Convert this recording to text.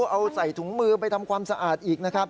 เอาใส่ถุงมือไปทำความสะอาดอีกนะครับ